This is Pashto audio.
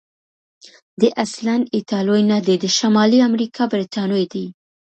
دی اصلا ایټالوی نه دی، د شمالي امریکا برتانوی دی.